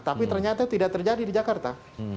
tapi ternyata tidak terjadi di jakarta